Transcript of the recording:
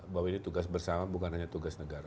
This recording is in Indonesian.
bahwa ini tugas bersama bukan hanya tugas negara